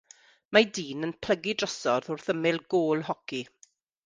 Mae dyn yn plygu drosodd wrth ymyl gôl hoci